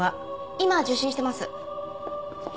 今受信してます。